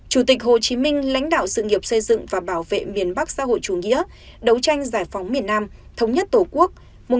chủ tịch hồ chí minh lãnh đạo sự nghiệp xây dựng và bảo vệ miền bắc xã hội chủ nghĩa đấu tranh giải phóng miền nam thống nhất tổ quốc một nghìn chín trăm năm mươi năm một nghìn chín trăm sáu mươi chín